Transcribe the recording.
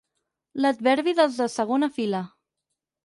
L'adverbi dels de segona fila.